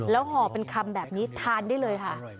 แล้วห่อเป็นคำแบบนี้ทานได้เลยค่ะ